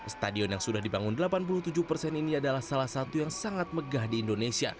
stadion yang sudah dibangun delapan puluh tujuh persen ini adalah salah satu yang sangat megah di indonesia